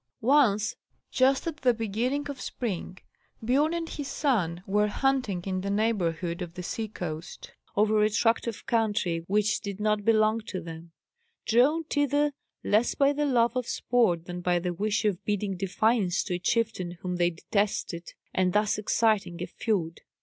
Once, just at the beginning of spring, Biorn and his son were hunting in the neighbourhood of the sea coast, over a tract of country which did not belong to them; drawn thither less by the love of sport than by the wish of bidding defiance to a chieftain whom they detested, and thus exciting a feud.